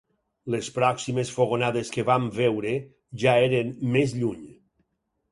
Les pròximes fogonades que vam veure ja eren més lluny